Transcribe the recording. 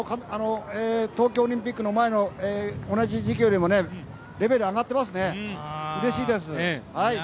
東京オリンピックの前の同じ時期よりもレベル上がってますね、うれしいです。